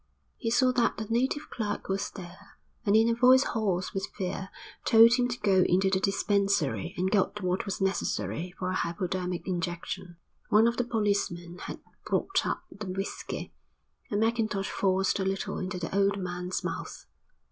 He saw that the native clerk was there, and in a voice hoarse with fear told him to go into the dispensary and get what was necessary for a hypodermic injection. One of the policemen had brought up the whisky, and Mackintosh forced a little into the old man's mouth.